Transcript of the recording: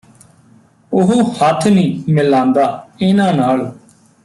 ਉਹ ਹੱਥ ਨੀਂ ਮਿਲਾਂਦਾ ਇਹਨਾਂ ਨਾਲ